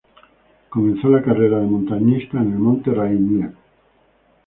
Comenzó la carrera de montañista en el monte Rainier.